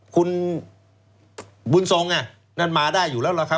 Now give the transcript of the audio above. คุณบุญทรงนั่นมาได้อยู่แล้วล่ะครับ